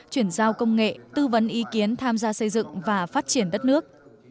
chuyển giao công nghệ tư vấn ý kiến tham gia xây dựng và phát triển đất nước